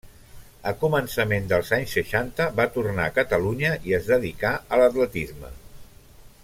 A començaments dels anys seixanta va tornar a Catalunya i es dedicà a l'atletisme.